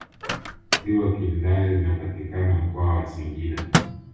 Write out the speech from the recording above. ziwa kindai linapatikana mkoa wa singida